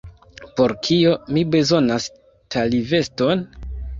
Por kio mi bezonas taliveston?